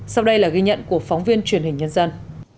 sau đây là ghi nhận của phóng viên truyền hình nhân dân